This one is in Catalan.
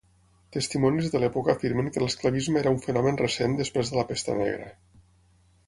Testimonis de l'època afirmen que l'esclavisme era un fenomen recent després de la Pesta Negra.